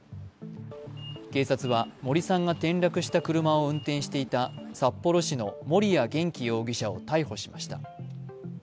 警察は森さんが転落した車を運転していた札幌市の森谷元気容疑者を逮捕しました。